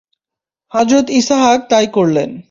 হযরত ইসহাক তাই করলেন।